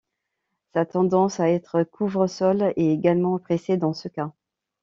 Sa tendance à être couvre-sol est également appréciée dans ce cas.